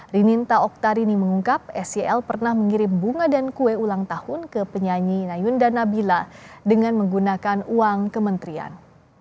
rininta oktarini mengungkap sel pernah mengirim bunga dan kue ulang tahun ke penyanyi nayunda nabila dengan menggunakan uang kementerian